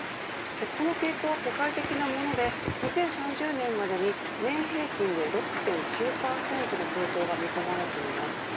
この傾向は世界的なもので２０３０年までに年平均で６．９％の成長が見込まれています。